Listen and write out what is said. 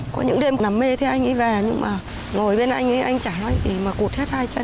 có những đêm nằm mê theo anh ấy về nhưng mà ngồi bên anh ấy anh chả nói gì mà cụt hết hai chân